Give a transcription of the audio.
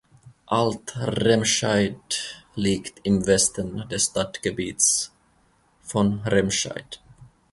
Alt-Remscheid liegt im Westen des Stadtgebiets von Remscheid.